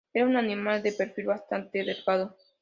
Era un animal de perfil bastante delgado.